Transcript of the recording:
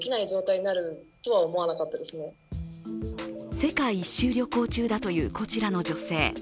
世界一周旅行中だというこちらの女性。